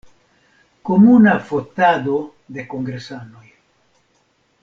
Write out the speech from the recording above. Komuna fotado de kongresanoj.